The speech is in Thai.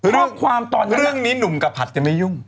เรื่องนี้หนุ่มกระผัดจะไม่ยุ่ง